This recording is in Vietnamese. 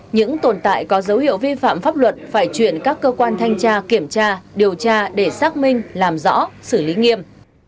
những tồn tại có dấu hiệu vi phạm pháp luật phải chuyển các cơ quan thanh tra kiểm tra điều tra để xác minh làm rõ xử lý nghiêm